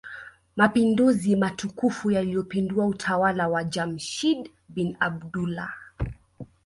Mapinduzi matukufu yaliyopindua utawala wa Jamshid bin Abdullah